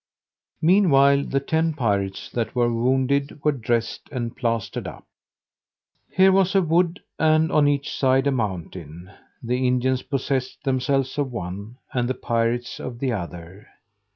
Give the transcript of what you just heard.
Meanwhile the ten pirates that were wounded were dressed, and plastered up. Here was a wood, and on each side a mountain. The Indians possessed themselves of one, and the pirates of the other.